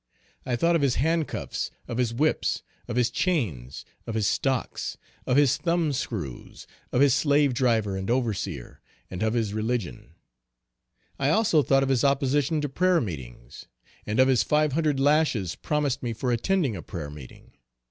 I thought of his hand cuffs, of his whips, of his chains, of his stocks, of his thumb screws, of his slave driver and overseer, and of his religion; I also thought of his opposition to prayer meetings, and of his five hundred lashes promised me for attending a prayer meeting.